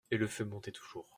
Et le feu montait toujours.